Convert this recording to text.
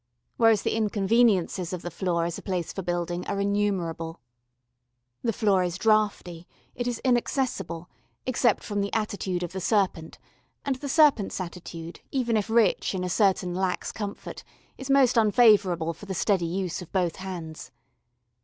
Whereas the inconveniences of the floor as a place for building are innumerable. The floor is draughty, it is inaccessible, except from the attitude of the serpent, and the serpent's attitude, even if rich in a certain lax comfort, is most unfavourable for the steady use of both hands.